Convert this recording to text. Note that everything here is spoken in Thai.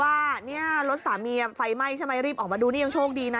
ว่าเนี่ยรถสามีไฟไหม้ใช่ไหมรีบออกมาดูนี่ยังโชคดีนะ